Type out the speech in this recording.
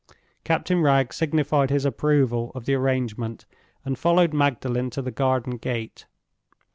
Captain Wragge signified his approval of the arrangement, and followed Magdalen to the garden gate.